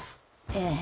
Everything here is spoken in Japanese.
ええ？